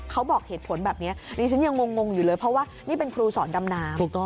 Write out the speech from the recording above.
เขาบอกเหตุผลแบบนี้ดิฉันยังงงอยู่เลยเพราะว่านี่เป็นครูสอนดำน้ำ